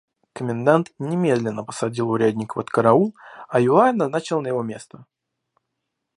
Комендант немедленно посадил урядника под караул, а Юлая назначил на его место.